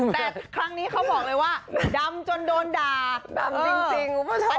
แต่ครั้งนี้เขาบอกเลยว่าดำจนโดนด่าดำจริงคุณผู้ชม